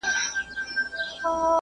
کله چي عاید لوړ سو خلګو ښه ژوند پیل کړ.